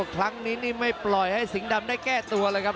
ครั้งนี้นี่ไม่ปล่อยให้สิงห์ดำได้แก้ตัวเลยครับ